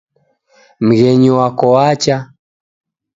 Mghenyi wako wacha.